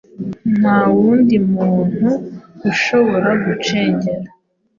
Nta wundi muntu ushobora gucengera